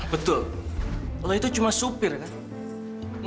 betul kalau itu cuma supir kan